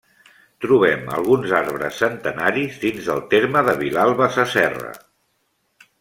Trobem alguns arbres centenaris dins del terme de Vilalba Sasserra.